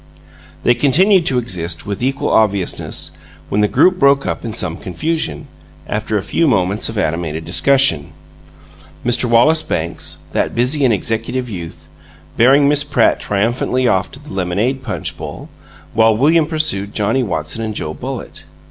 They continued to exist, with equal obviousness, when the group broke up in some confusion, after a few minutes of animated discussion; Mr. Wallace Banks, that busy and executive youth, bearing Miss Pratt triumphantly off to the lemonade punch bowl, while William pursued Johnnie Watson and Joe Bullitt.